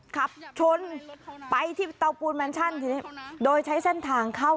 ขับชนไปที่เตาปูนแมนชั่นทีนี้โดยใช้เส้นทางเข้า